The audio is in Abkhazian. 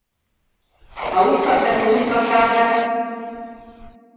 Аусҳәарҭахь унықәлахьазар?